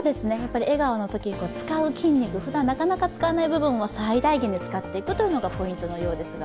笑顔のときに使う筋肉、ふだんあまり使わない筋肉を最大限に使うのがポイントのようですが。